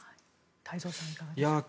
太蔵さんいかがですか。